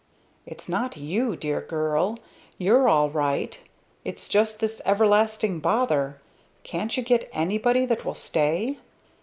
"It's not you, dear girl! You're all right! It's just this everlasting bother. Can't you get anybody that will stay?"